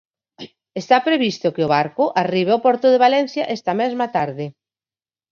Está previsto que o barco arribe ao porto de Valencia esta mesma tarde.